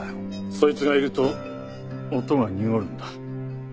そいつがいると音が濁るんだ。